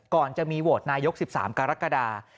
ก่อนจะมีโหวตนายก๑๓กรกฎา